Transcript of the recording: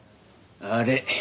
あれ？